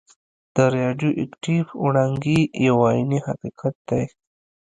د راډیو اکټیف وړانګې یو عیني حقیقت دی.